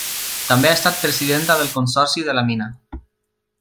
També ha estat presidenta del Consorci de la Mina.